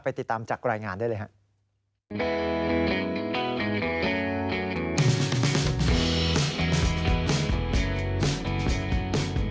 ติดตามจากรายงานได้เลยครับ